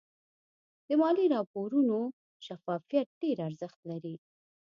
د مالي راپورونو شفافیت ډېر ارزښت لري.